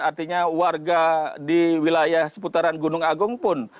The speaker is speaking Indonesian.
artinya warga di wilayah seputaran gunung agung pun